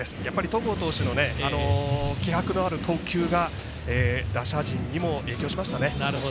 戸郷投手の気迫のある投球が打者陣にも影響しましたね。